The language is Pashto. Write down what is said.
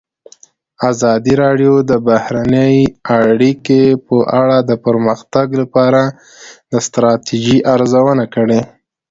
ازادي راډیو د بهرنۍ اړیکې په اړه د پرمختګ لپاره د ستراتیژۍ ارزونه کړې.